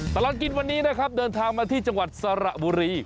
ตลอดกินวันนี้นะครับเดินทางมาที่จังหวัดสระบุรี